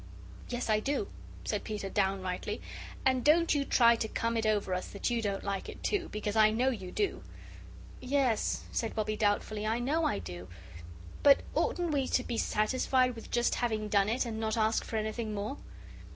"Yes, I do," said Peter, downrightly; "and don't you try to come it over us that you don't like it, too. Because I know you do." "Yes," said Bobbie, doubtfully, "I know I do. But oughtn't we to be satisfied with just having done it, and not ask for anything more?"